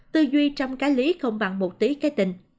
tư duy trong cái lý không bằng một tí cái tình